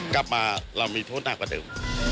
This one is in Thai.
กลับมาเรามีโทษหนักกว่าเดิม